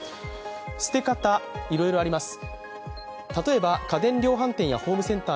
捨て方いろいろあります。